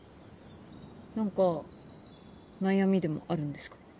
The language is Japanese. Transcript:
何か悩みでもあるんですか？